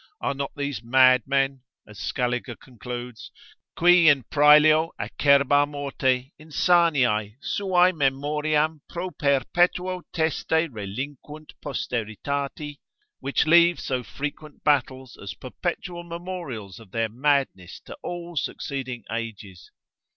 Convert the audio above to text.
are not these mad men, as Scaliger concludes, qui in praelio acerba morte, insaniae, suae memoriam pro perpetuo teste relinquunt posteritati; which leave so frequent battles, as perpetual memorials of their madness to all succeeding ages?